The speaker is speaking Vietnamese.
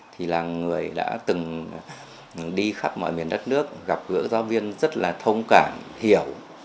thì là người đã từng đi khắp mọi miền đất nước gặp gỡ giáo viên rất là thông cảm hiểu